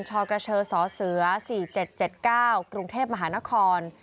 ชกระเชิญศาสตร์เสือสี่เจ็ดเจ็ดเก้ากรุงเทพมหานคร